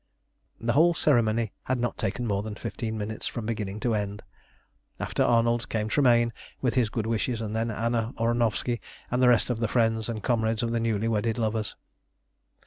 The whole ceremony had not taken more than fifteen minutes from beginning to end. After Arnold came Tremayne with his good wishes, and then Anna Ornovski and the rest of the friends and comrades of the newly wedded lovers.